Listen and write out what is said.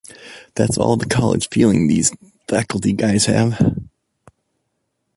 That's all the college feeling these faculty guys have.